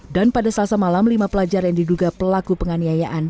dan pada selasa malam lima pelajar yang diduga pelaku penganiayaan